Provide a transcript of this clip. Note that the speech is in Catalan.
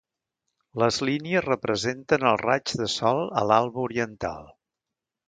Les línies representen els raigs del sol a l'alba oriental.